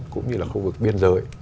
cũng như là khu vực biên giới